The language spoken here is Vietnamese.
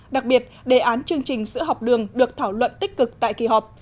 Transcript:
đặc biệt đề án chương trình sữa học đường được thảo luận tích cực tại kỳ họp